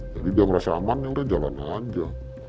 jadi dia merasa aman yaudah jalan aja